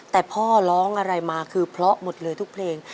แต่พ่อร้องอะไรมาคือเพราะหมดเลยทุกเพลง